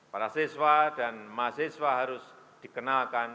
para siswa dan mahasiswa harus dikenalkan